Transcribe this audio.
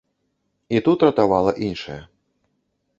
І тут ратавала іншае.